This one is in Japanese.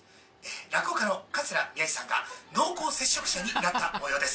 落語家の桂宮治さんが濃厚接触者になったもようです。